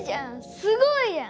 すごいやん！